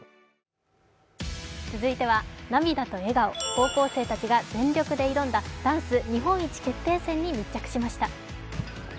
高校生たちが全力で挑んだダンス日本一決定戦に密着しました。